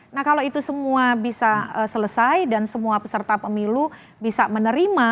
nah kalau itu semua bisa selesai dan semua peserta pemilu bisa menerima